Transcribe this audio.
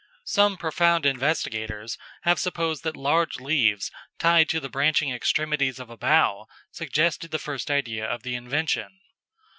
Some profound investigators have supposed that large leaves tied to the branching extremities of a bough suggested the first idea of the invention.